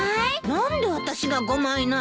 何であたしが５枚なの？